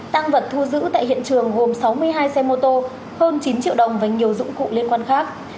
tăng vật thu giữ tại hiện trường gồm sáu mươi hai xe mô tô hơn chín triệu đồng và nhiều dụng cụ liên quan khác